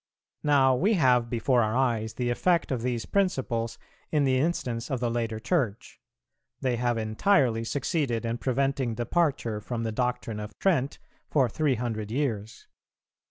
Now we have before our eyes the effect of these principles in the instance of the later Church; they have entirely succeeded in preventing departure from the doctrine of Trent for three hundred years.